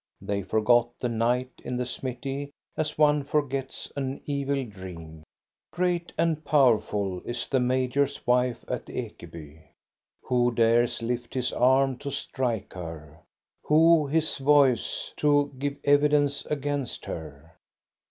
They forgot the night in the smithy as one forgets an evil dream. so THE STORY OF GOSTA BE RUNG Great and powerful is the major's wife at Ekeby. Who dares lift his arm to strike her; who his voice to give evidence against her